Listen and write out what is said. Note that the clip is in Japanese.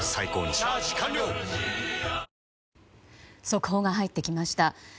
速報が入ってきました。